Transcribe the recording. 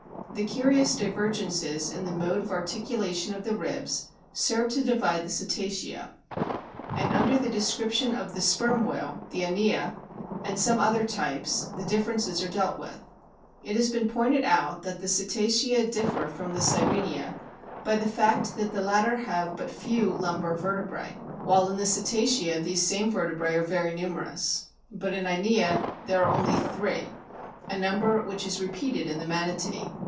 The curious divergences in the mode of articulation of the ribs serve to divide the Cetacea; and under the description of the Sperm whale, the Inia, and some other types, the differences are dealt with. It has been pointed out that the Cetacea differ from the Sirenia by the fact that the latter have but few lumbar vertebrae, while in the SOME INTERNAL STRUCTURES 41 Cetacea these same vertebrae are very numerous. But in I nia there are only three, a number which is repeated in the Manatee.